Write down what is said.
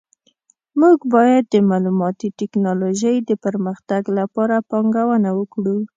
موږ باید د معلوماتي ټکنالوژۍ د پرمختګ لپاره پانګونه وکړو